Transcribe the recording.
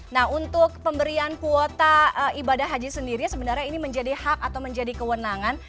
nah untuk pemberian kuota ibadah haji sendiri sebenarnya ini menjadi hak atau menjadi kewenangan